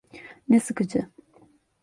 Ne sıkıcı.